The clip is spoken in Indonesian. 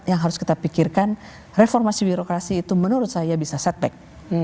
yang harus kita pikirkan reformasi birokrasi itu menurut saya bisa setback